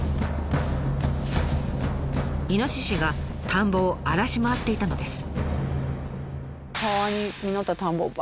イノシシが田んぼを荒らし回っていたのです。